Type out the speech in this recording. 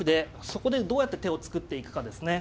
そこでどうやって手を作っていくかですね。